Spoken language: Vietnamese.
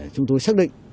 chúng tôi xác định